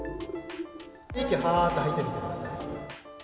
息をはあーと吐いてみてください。